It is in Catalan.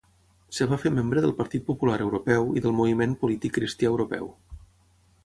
Es va fer membre del Partit Popular Europeu i del Moviment Polític Cristià Europeu.